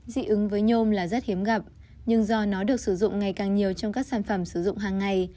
dị ứng với nhôm là rất hiếm gặp nhưng do nó được sử dụng ngày càng nhiều trong các sản phẩm sử dụng hàng ngày